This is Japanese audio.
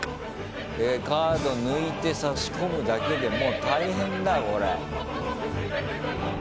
カード抜いて差し込むだけでもう大変だよこれ。